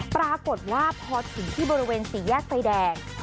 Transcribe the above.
ปรากฏลาพพอถูกที่บริเวณศีลแยกไฟแดง